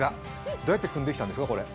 どうやってくんできたんですか？